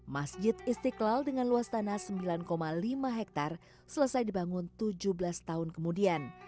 masjid istiqlal dengan luas tanah sembilan lima hektare selesai dibangun tujuh belas tahun kemudian